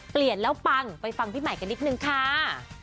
เปลี่ยนแล้วปังไปฟังพี่ใหม่กันนิดนึงค่ะ